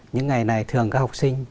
những ngày này thường các học sinh